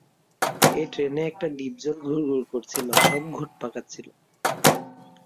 এই ট্রেনে একটা ডিপজল ঘুরঘুর করছিল, সব ঘোট পাকাচ্ছিল।